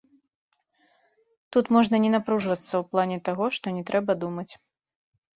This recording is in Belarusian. Тут можна не напружвацца ў плане таго, што не трэба думаць.